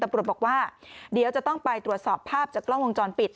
ตำรวจบอกว่าเดี๋ยวจะต้องไปตรวจสอบภาพจากกล้องวงจรปิด